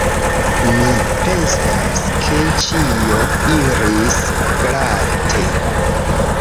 Mi pensas, ke ĉio iris glate.